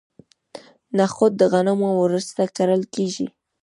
نخود د غنمو وروسته کرل کیږي.